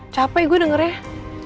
capek gue dengernya